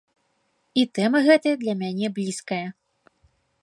І тэма гэтая для мяне блізкая.